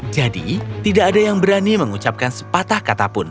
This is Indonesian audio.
jadi tidak ada yang berani mengucapkan sepatah katapun